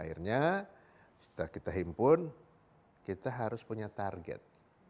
akhirnya setelah kita himpun kita harus punya target